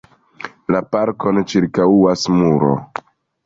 La parkon ĉirkaŭas muro.